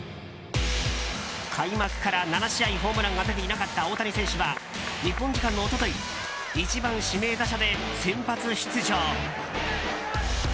開幕から７試合ホームランが出ていなかった大谷選手は、日本時間の一昨日１番指名打者で先発出場。